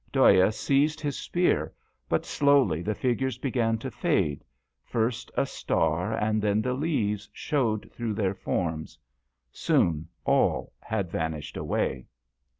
Dhoya seized his spear, but slowly the figures began to fade, first a star and then the leaves showed through their forms. Soon all had vanished away.